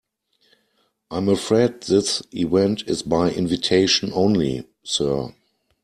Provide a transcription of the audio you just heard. I'm afraid this event is by invitation only, sir.